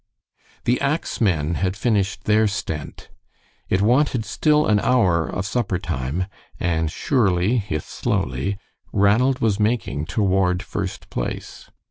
The ax men had finished their "stent." It wanted still an hour of supper time, and surely if slowly, Ranald was making toward first place.